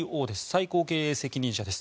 最高経営責任者です。